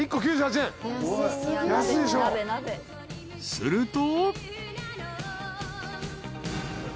［すると］